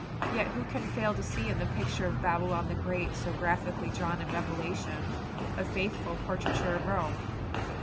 Yet who can fail to see in the picture of Babylon the Great so graphically drawn in Revelation, a faithful portraiture of Rome?